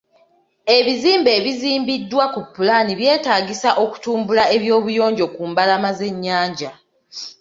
Ebizimbe ebizimbiddwa ku pulaani byetaagisa okutumbula eby'obuyonjo ku mbalama z'ennyanja.